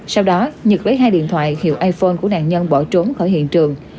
sau đó nhật lấy hai điện thoại hiệu iphone của nạn nhân bỏ trốn khỏi hiện trường